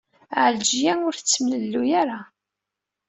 Ɛelǧiya ur tettemlelluy ara.